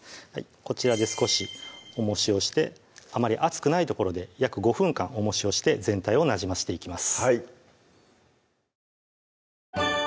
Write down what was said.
こちらで少し重石をしてあまり暑くない所で約５分間重石をして全体をなじませていきます